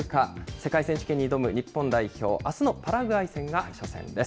世界選手権に挑む日本代表、あすのパラグアイ戦が初戦です。